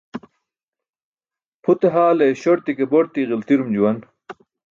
Pʰute haale śorti ke borti ġiltirum juwan.